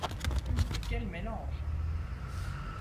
Mais quel mélange!